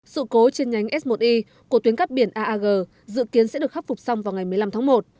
sự cố trên nhánh s một i của tuyến cắp biển aag dự kiến sẽ được khắc phục xong vào ngày một mươi năm tháng một